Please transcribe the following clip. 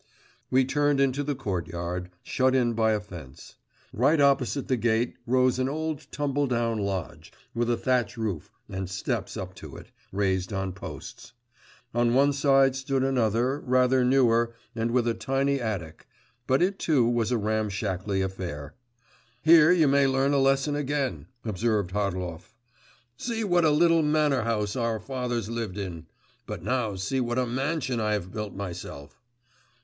We turned into the courtyard, shut in by a fence; right opposite the gate, rose an old tumbledown lodge, with a thatch roof, and steps up to it, raised on posts. On one side stood another, rather newer, and with a tiny attic; but it too was a ramshackly affair. 'Here you may learn a lesson again,' observed Harlov; 'see what a little manor house our fathers lived in; but now see what a mansion I have built myself.